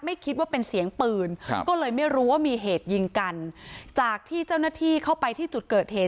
ไม่คิดว่าเป็นเสียงปืนครับก็เลยไม่รู้ว่ามีเหตุยิงกันจากที่เจ้าหน้าที่เข้าไปที่จุดเกิดเหตุ